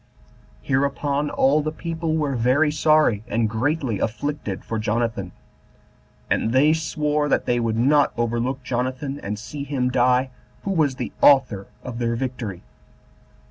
Hereupon all the people were very sorry, and greatly afflicted for Jonathan; and they sware that they would not overlook Jonathan, and see him die, who was the author of their victory.